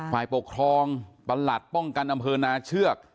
ปลายเป้าของตลัดป้องกันอเชือก